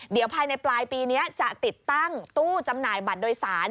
เดี๋ยวภายในปลายปีนี้จะติดตั้งตู้จำหน่ายบัตรโดยสาร